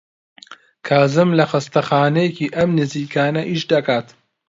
کازم لە خەستەخانەیەکی ئەم نزیکانە ئیش دەکات.